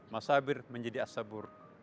masabir menjadi as sabur